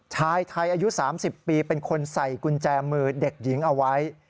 ชายไทยอายุ๓๐ปีเป็นคนใส่กุญแจมือเด็กหญิงเอาไว้